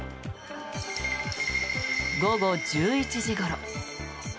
午後１１時ごろ。